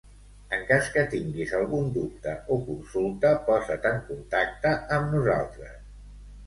En cas que tinguis algun dubte o consulta posa't en contacte amb nosaltres.